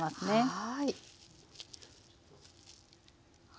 はい。